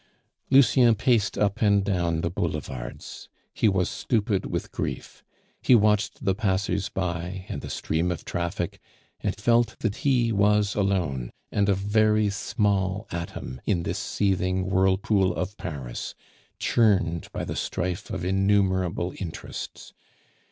Lucien paced up and down the Boulevards. He was stupid with grief. He watched the passers by and the stream of traffic, and felt that he was alone, and a very small atom in this seething whirlpool of Paris, churned by the strife of innumerable interests.